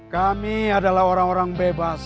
kami adalah orang orang bebas